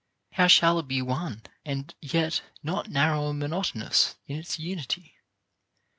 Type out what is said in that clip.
How shall it be one and yet not narrow and monotonous in its unity?